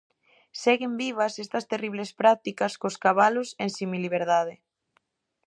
Seguen vivas estas terribles prácticas cos cabalos en semiliberdade.